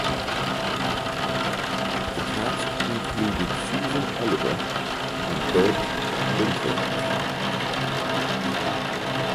The cast included Susan Oliver and Burt Brinckerhoff.